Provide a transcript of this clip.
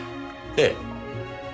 ええ。